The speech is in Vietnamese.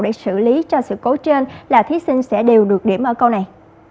để xử lý cho sự cố trên là thí sinh sẽ đều được điểm ở câu này